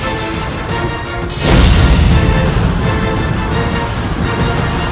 alhamdulillah emang aku sudah berhasil